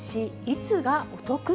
いつがお得？